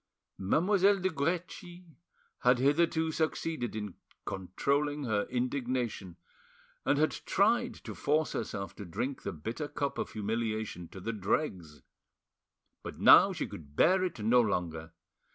Mademoiselle de Guerchi had hitherto succeeded in controlling her indignation, and had tried to force herself to drink the bitter cup of humiliation to the dregs; but now she could bear it no longer.